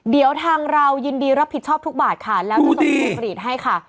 เดี๋ยวทางเรายินดีรับผิดชอบทุกบาทค่ะแล้วจะส่งพวงกรีตให้ค่ะ